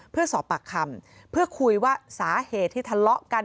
เพื่อสอบปากคำเพื่อคุยว่าสาเหตุที่ทะเลาะกัน